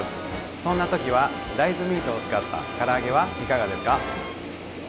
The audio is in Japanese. そんな時は大豆ミートを使ったから揚げはいかがですか？